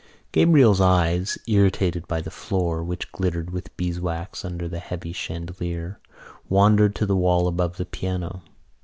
Gabriel's eyes, irritated by the floor, which glittered with beeswax under the heavy chandelier, wandered to the wall above the piano.